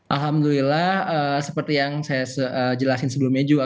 alhamdulillah seperti yang saya jelasin sebelumnya juga